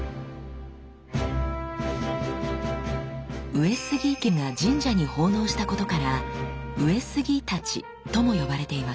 上杉家が神社に奉納したことから「上杉太刀」とも呼ばれています。